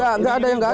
enggak ada yang gaduh